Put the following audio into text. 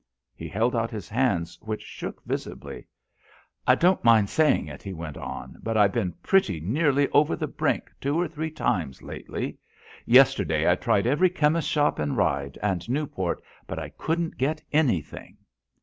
He held out his hands which shook visibly. "I don't mind saying it," he went on; "but I've been pretty nearly over the brink two or three times lately. Yesterday I tried every chemist's shop in Ryde and Newport, but I couldn't get anything."